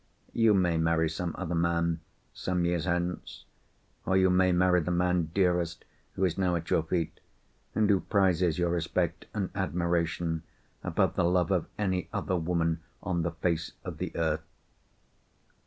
You may marry some other man, some years hence. Or you may marry the man, dearest, who is now at your feet, and who prizes your respect and admiration above the love of any other woman on the face of the earth."